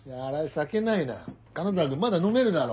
酒ないな金沢君まだ飲めるだろ？